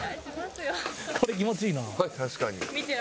これ気持ちいいな。